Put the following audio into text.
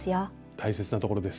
大切なところです。